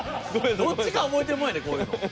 どっちか覚えてるもんやでこういうの。